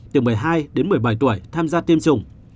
trẻ em từ một mươi hai một mươi bảy tuổi tham gia tiêm chủng